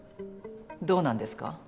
どうなんですか？